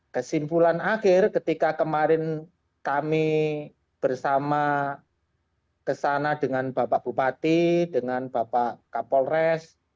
kesimpulan akhir ketika kemarin kami bersama kesana dengan bapak bupati dengan bapak kapolres